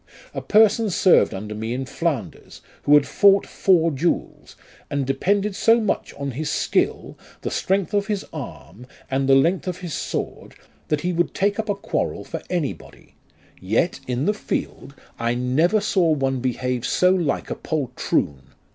A person served under me in Flanders, who had fought four duels, and depended so much on his skill, the strength of his arm, and the length of his sword, that he would take up a quarrel for anybody ; yet, in the field, I never saw one behave so like a poltroon.